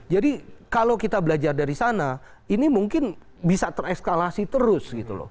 jadi kalau kita belajar dari sana ini mungkin bisa terekskalasi terus